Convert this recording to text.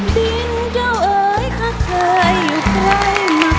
ดินเจ้าเอ๋ยข้าเคยอยู่ใครมากก่อน